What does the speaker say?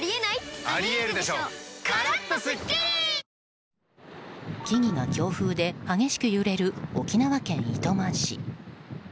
わかるぞ木々が強風で激しく揺れる沖縄県糸満市。